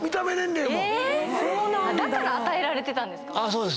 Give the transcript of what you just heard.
だから与えられてたんですか